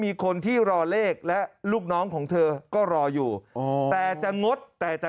มีคนที่รอเลขและลูกน้องของเธอก็รออยู่อ๋อแต่จะงดแต่จะ